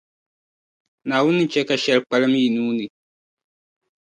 Naawuni ni chɛ ka shεli kpalim yi nuu ni.